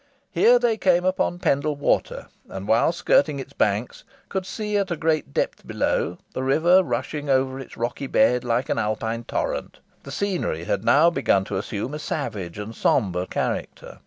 Here they came upon Pendle Water, and while skirting its banks, could see at a great depth below, the river rushing over its rocky bed like an Alpine torrent. The scenery had now begun to assume a savage and sombre character.